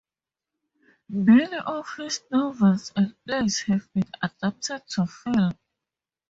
Many of his novels and plays have been adapted to film.